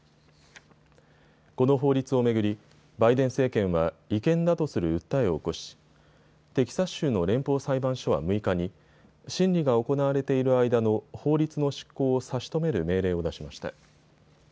この法律を巡りバイデン政権は違憲だとする訴えを起こしテキサス州の連邦裁判所は６日に審理が行われている間の法律の執行を差し止める命令を出しました。